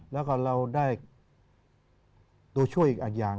แล้วก็เราได้ตัวช่วยอีกอย่าง